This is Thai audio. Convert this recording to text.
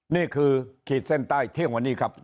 ขีดเส้นใต้เที่ยงวันนี้ครับ